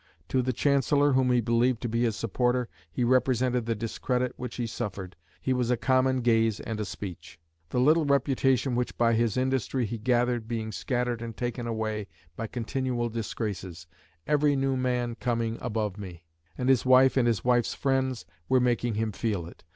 To the Chancellor, whom he believed to be his supporter, he represented the discredit which he suffered he was a common gaze and a speech;" "the little reputation which by his industry he gathered, being scattered and taken away by continual disgraces, every new man coming above me;" and his wife and his wife's friends were making him feel it.